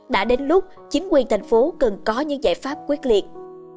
đã đến lúc chính quyền thành phố cần có những giải pháp quyết liệt